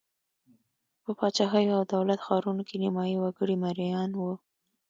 په پاچاهیو او دولت ښارونو کې نیمايي وګړي مریان وو.